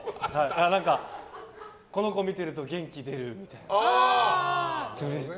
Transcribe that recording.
この子見てると元気出るみたいな。